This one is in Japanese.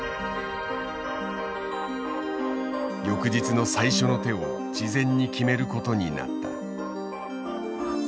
翌日の最初の手を事前に決めることになった。